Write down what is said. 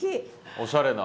おしゃれな。